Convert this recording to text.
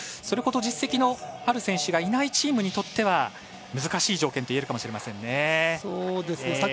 それほど実績のある選手がいないチームにとっては難しい条件といえるかもしれないですね。